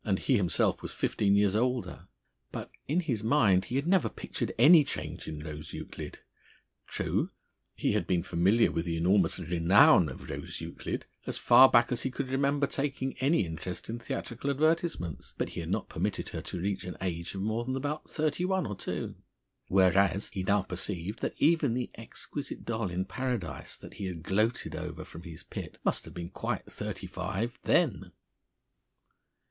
And he himself was fifteen years older. But in his mind he had never pictured any change in Rose Euclid. True, he had been familiar with the enormous renown of Rose Euclid as far back as he could remember taking any interest in theatrical advertisements! But he had not permitted her to reach an age of more than about thirty one or two. Whereas he now perceived that even the exquisite doll in paradise that he had gloated over from his pit must have been quite thirty five then....